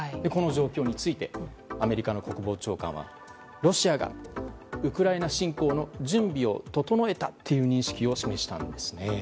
この状況についてアメリカの国防長官はロシアがウクライナ侵攻の準備を整えたという認識を示したんですね。